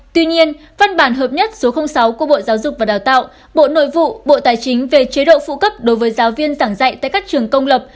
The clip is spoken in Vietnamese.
tuy nhiên văn bản hợp nhất số sáu của bộ giáo dục và đào tạo bộ nội vụ bộ tài chính về chế độ phụ cấp đối với giáo viên giảng dạy tại các trường công lập